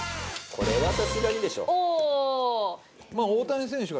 これはさすがにでしょ。